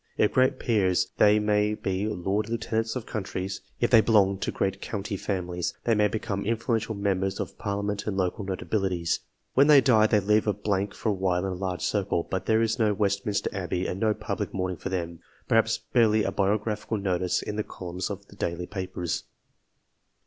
If great peers, they may be lord lieutenants of counties ; if they belong to great county families, they may become influential members of parlia ment and local notabilities. When they die, they leave a blank for a while in a large circle, but there is no West minster Abbey and no public mourning for them perhaps barely a biographical notice in the columns of the daily papers.